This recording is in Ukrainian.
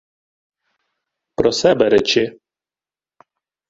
— Про себе речи.